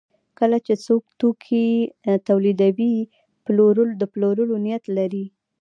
کله چې څوک توکي تولیدوي د پلورلو نیت لري.